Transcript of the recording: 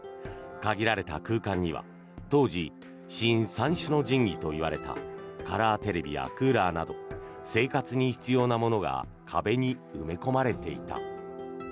限られた空間には当時、新三種の神器といわれたカラーテレビやクーラーなど生活に必要なものが壁に埋め込まれていた。